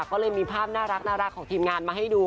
ก็เลยมีภาพน่ารักของทีมงานมาให้ดู